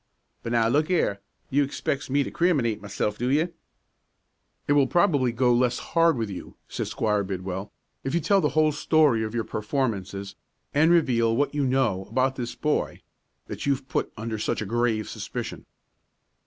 But now, look 'ere; you expects me to criminate myself, do you?" "It will probably go less hard with you," said Squire Bidwell, "if you tell the whole story of your performances, and reveal what you know about this boy that you've put under such a grave suspicion."